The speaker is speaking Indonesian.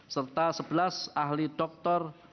serta sebelas ahli doktor